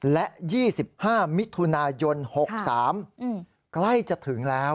และ๒๕มิถุนายน๖๓ใกล้จะถึงแล้ว